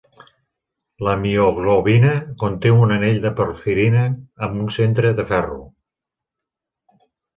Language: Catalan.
La mioglobina conté un anell de porfirina amb un centre de ferro.